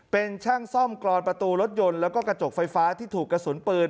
เป็นช่างซ่อมกรอนประตูรถยนต์แล้วก็กระจกไฟฟ้าที่ถูกกระสุนปืน